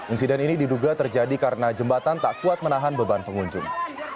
insiden ini diduga terjadi karena jembatan tak kuat menahan beban pengunjung